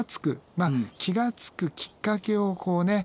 まあ気が付くきっかけをこうね見つける。